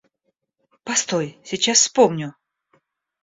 Постой, сейчас вспомню!